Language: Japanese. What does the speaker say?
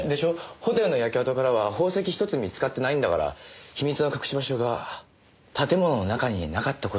ホテルの焼け跡からは宝石一つ見つかってないんだから秘密の隠し場所が建物の中になかった事は確かです。